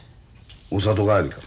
お里帰りか？